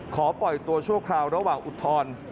ปล่อยตัวชั่วคราวระหว่างอุทธรณ์